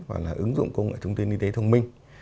và là ứng dụng công nghệ hướng tin y tế thông minh